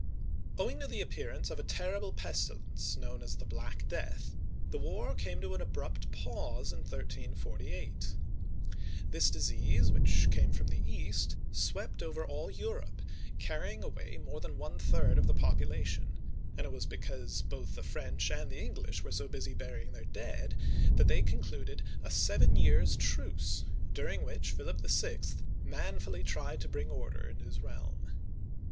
^^ Owing to the appearance of a terrible pestilence, known as the Black Death, the war came to an abrupt pause in 1348. This disease, which came from the East, swept over all Europe, carrying away more than one third of the population ; and it was because both the French and the English were so busy burying their dead, that they con cluded a seven years' truce, during which Philip VI. man fully tried to bring order in his realm.